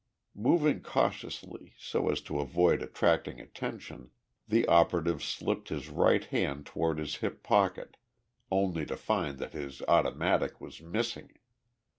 Moving cautiously, so as to avoid attracting attention, the operative slipped his right hand toward his hip pocket, only to find that his automatic was missing.